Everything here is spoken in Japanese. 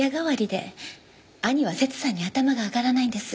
兄はセツさんに頭が上がらないんです。